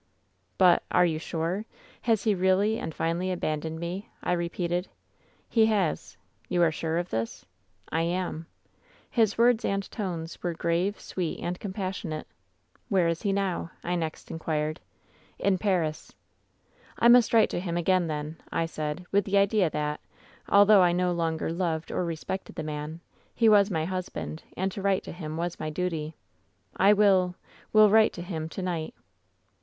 " ^But — are you sure ? Has he really and finally abandoned me f I repeated. " ^He has.' "* You are sure of this V " ^I am.' "His words and tones were grave, sweet and compas sionate. ^ ^Where is he now V I next inquired. " an Paris.' " ^I must write to him again, then,' I said, with the idea that, although I no longer loved or respected the man, he was my husband, and to write to him was my duty. ^1 will — ^will write to him to night.'